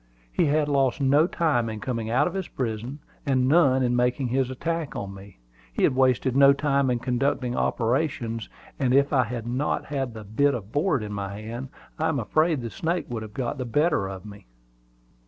He had lost no time in coming out of his prison, and none in making his attack on me. He had wasted no time in conducting operations; and if I had not had the bit of board in my hand, I am afraid the snake would have got the better of me.